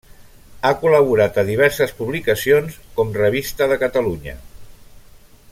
Ha col·laborat a diverses publicacions, com Revista de Catalunya.